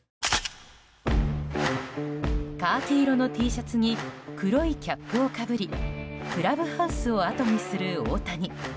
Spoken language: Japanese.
カーキ色のＴシャツに黒いキャップをかぶりクラブハウスをあとにする大谷。